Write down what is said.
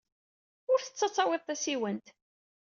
Ur ttettu ad tawyeḍ tasiwant.